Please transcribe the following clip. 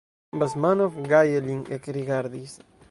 Basmanov gaje lin ekrigardis.